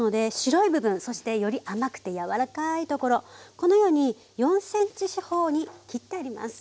このように４ｃｍ四方に切ってあります。